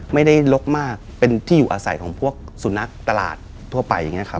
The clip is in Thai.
ไม่ได้ลกมากเป็นที่อยู่อาศัยของพวกสุนัขตลาดทั่วไปอย่างนี้ครับ